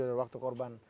dari waktu korban